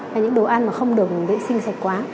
hay những đồ ăn mà không được vệ sinh sạch quá